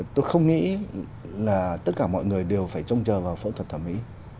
tôi không nghĩ là tất cả mọi người đều phải trông chờ vào phẫu thuật thẩm mỹ